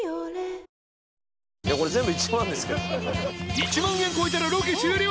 １万円超えたらロケ終了！